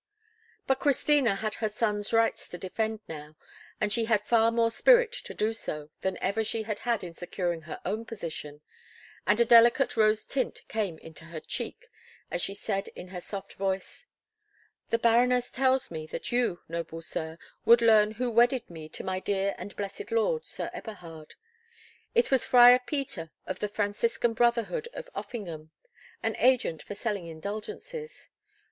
But Christina had her sons' rights to defend now, and she had far more spirit to do so than ever she had had in securing her own position, and a delicate rose tint came into her cheek as she said in her soft voice, "The Baroness tells me, that you, noble sir, would learn who wedded me to my dear and blessed lord, Sir Eberhard. It was Friar Peter of the Franciscan brotherhood of Offingen, an agent for selling indulgences.